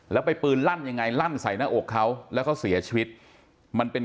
แล้วไปปืนลั่นยังไงลั่นใส่หน้าอกเขาแล้วเขาเสียชีวิตมันเป็น